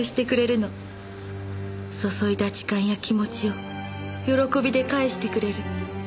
注いだ時間や気持ちを喜びで返してくれる。